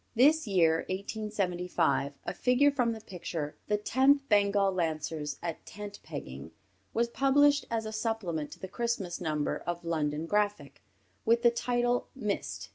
This year, 1875, a figure from the picture, the "Tenth Bengal Lancers at Tent pegging," was published as a supplement to the Christmas number of London Graphic, with the title "Missed."